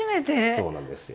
そうなんですよ。